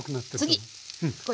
次これ。